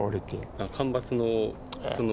あ干ばつのその。